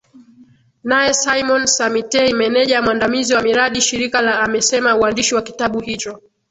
Naye Saimon Samitei Meneja Mwandamizi wa Miradi Shirika la amesema uandishi wa kitabu hicho